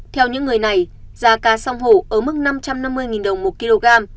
theo những người này giá ca song hổ ở mức năm trăm năm mươi đồng một kg